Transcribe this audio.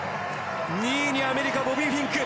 ２位にアメリカボビー・フィンク。